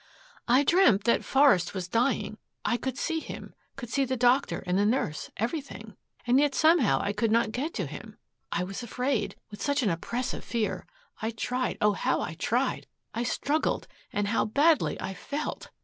"I dreamt that Forest was dying. I could see him, could see the doctor and the nurse, everything. And yet somehow I could not get to him. I was afraid, with such an oppressive fear. I tried oh, how I tried! I struggled, and how badly I felt!"